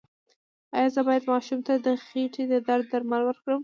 ایا زه باید ماشوم ته د خېټې د درد درمل ورکړم؟